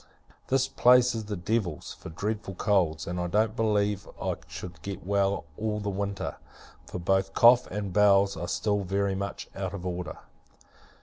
This place is the devil's, for dreadful colds: and I don't believe I should get well all the winter; for both cough, and bowels, are still very much out of order.